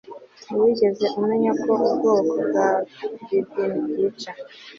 ntiwigeze umenya ko ubwoko bwa drivin bwica